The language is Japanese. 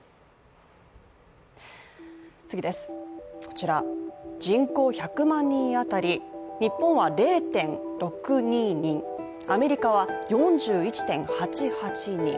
こちら、人口１００万人当たり日本は０．６２人、アメリカは４１．８８人。